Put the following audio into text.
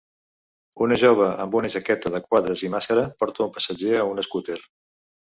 Una jove amb una jaqueta de quadres i màscara porta un passatger a un escúter.